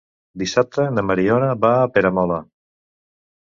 Dissabte na Mariona va a Peramola.